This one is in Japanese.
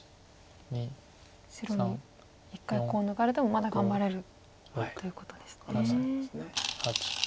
白も１回コウ抜かれてもまだ頑張れるということですね。